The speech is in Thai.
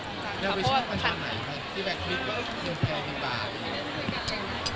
แล้ววิชากันทำไหนคะที่แบบคิดว่าคุณแพร่กันบ้าง